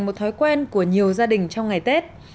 một thói quen của nhiều gia đình trong ngày tết